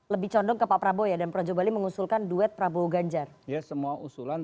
lebih condong ke pak prabowo ya dan projobali mengusulkan duet prabowo ganjar ya semua usulan